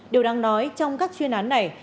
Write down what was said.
điều đang nói trong các chuyên án này